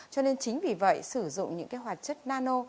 cho nên chính vì vậy sử dụng những cái hoạt chất nano